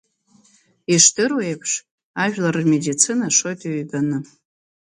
Ишдыру аиԥш, жәлар рмедицина шоит ҩбаны…